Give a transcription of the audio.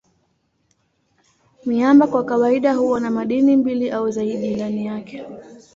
Miamba kwa kawaida huwa na madini mbili au zaidi ndani yake.